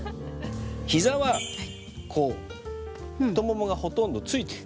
膝はこう太ももがほとんど付いてる。